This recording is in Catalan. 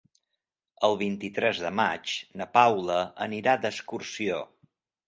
El vint-i-tres de maig na Paula anirà d'excursió.